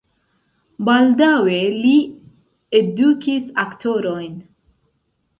Baldaŭe li edukis aktorojn.